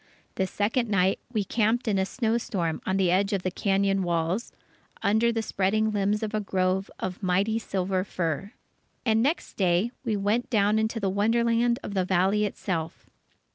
The second night, we camped in a snow storm on the edge of the cañon walls, under the spreading limbs of a grove of mighty silver fir. And next day, we went down into the wonderland of the Valley itself.